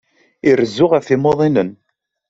Irezzu ɣef yimuḍinen.